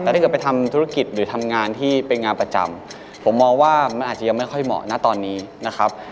แต่ถ้าเกิดไปทำธุรกิจหรือทำงานที่เป็นงานประจำผมมองว่ามันอาจจะยังไม่ค่อยเหมาะนะตอนนี้นะครับ